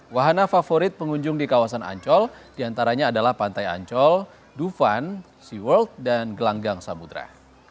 wahana favorit pengunjung di kawasan ancol diantaranya adalah pantai ancol dufan seaworld dan gelanggang samudera